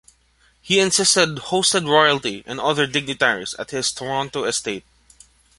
He instead hosted royalty and other dignitaries at his Toronto estate.